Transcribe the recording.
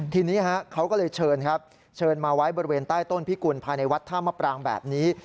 ทีนี้เขาก็เลยเชิญครับเชิญมาไว้บริเวณใต้ต้นพิกุลภายในวัดท่ามะปรางแบบนี้